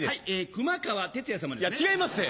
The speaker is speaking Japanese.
熊川哲也さまですね。